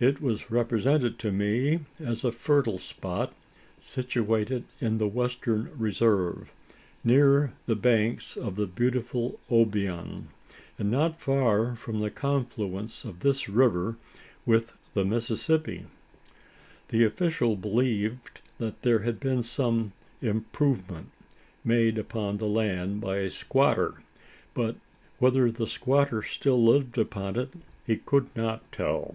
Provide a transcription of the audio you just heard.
It was represented to me as a fertile spot situated in the "Western Reserve" near the banks of the beautiful Obion, and not far above the confluence of this river with the Mississippi. The official believed there had been some "improvement" made upon the land by a squatter; but whether the squatter still lived upon it, he could not tell.